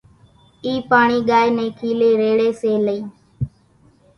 اِي پاڻي ڳائي ني کيلي ريڙي سي لئي۔